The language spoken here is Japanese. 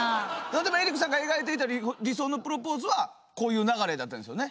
でもエリックさんが描いていた理想のプロポーズはこういう流れだったんですよね？